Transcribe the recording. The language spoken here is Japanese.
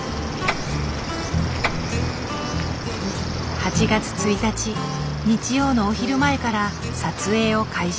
８月１日日曜のお昼前から撮影を開始。